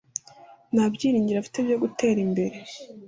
Nta byiringiro afite byo gutera imbere